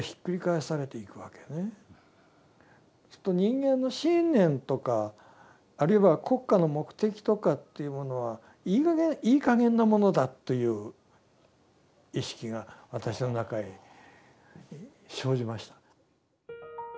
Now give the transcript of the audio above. すると人間の信念とかあるいは国家の目的とかというものはいいかげんなものだという意識が私の中に生じました。